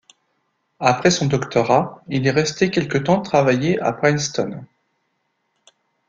Après son doctorat, il est resté quelque temps travailler à Princeton.